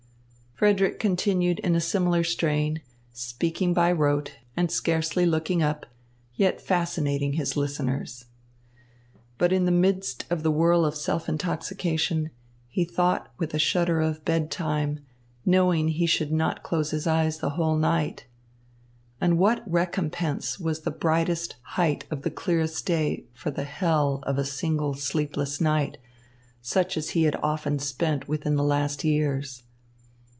Frederick continued in a similar strain, speaking by rote, and scarcely looking up, yet fascinating his listeners. But in the midst of the whirl of self intoxication, he thought with a shudder of bedtime, knowing he should not close his eyes the whole night. And what recompense was the brightest height of the clearest day for the hell of a single sleepless night, such as he had often spent within the last years.